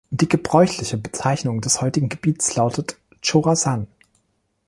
Die gebräuchliche Bezeichnung des heutigen Gebiets lautete "Chorasan".